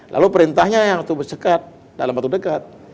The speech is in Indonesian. lalu perintahnya yang harus disekat dalam waktu dekat